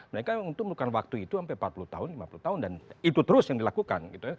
mereka itu memerlukan waktu itu sampai empat puluh tahun lima puluh tahun dan itu terus yang dilakukan gitu ya